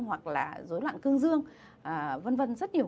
hoặc là dối loạn cương dương v v